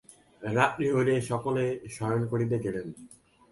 রাত্রি হইলে সকলে শয়ন করিতে গেলেন।